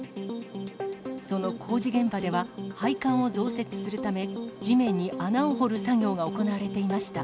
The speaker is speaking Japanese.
その工事現場では配管を増設するため、地面に穴を掘る作業が行われていました。